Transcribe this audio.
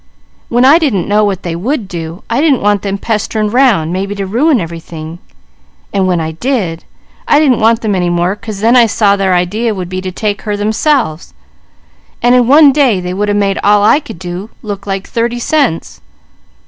"When I didn't know what they would do, I didn't want them pestering 'round, maybe to ruin everything; and when I did, I didn't want them any more, 'cause then I saw their idea would be to take her themselves, and in one day they would a made all I could do look like thirty cents.